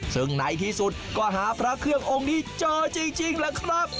ซึ่งในที่สุดก็หาพระเครื่ององค์นี้เจอจริงแหละครับ